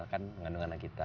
kan mengandung anak kita